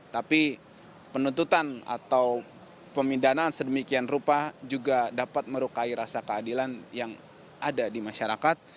tapi penuntutan atau pemindanaan sedemikian rupa juga dapat merukai rasa keadilan yang ada di masyarakat